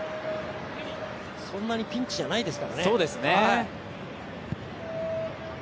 そんなにピンチじゃないですから。